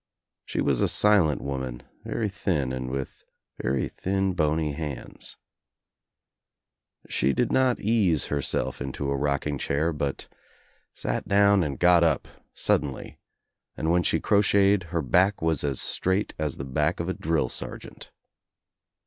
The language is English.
She was a silent woman, very thin and with very thin bony hands. Ihe did not ease herself Into a rocking chair but sat 136 THE TRIUMPH OF THE EGG down and got up suddenly, and when she crocheted her back was as straight as the hack of a drill sergeant.